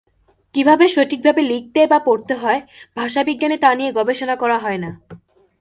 কীভাবে সঠিকভাবে লিখতে বা পড়তে হয়, ভাষাবিজ্ঞানে তা নিয়ে গবেষণা করা হয় না।